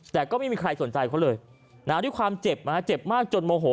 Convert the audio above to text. แต่ก็ไม่มีใครสนใจเขาเลยด้วยความเจ็บนะฮะเจ็บมากจนโมโห